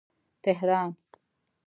تهران